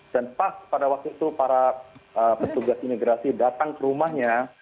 dan pas pada waktu itu para petugas imigrasi datang ke rumahnya